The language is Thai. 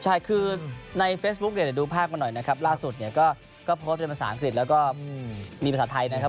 ใช่คือในเฟซบุ๊กเนี่ยเดี๋ยวดูภาพมาหน่อยนะครับล่าสุดเนี่ยก็โพสต์เป็นภาษาอังกฤษแล้วก็มีภาษาไทยนะครับ